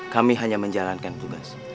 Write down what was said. kami hanya menjalankan tugas